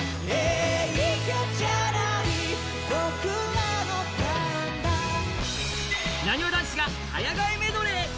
なにわ男子が早替えメドレー。